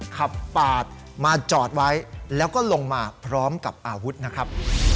ขับปาดมาจอดไว้แล้วก็ลงมาพร้อมกับอาวุธนะครับ